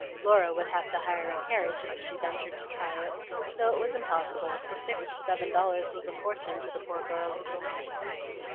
Laura would have to hire a carriage if she ventured to try it; so it was impossible, for six or seven dollars was a fortune to the poor girls now.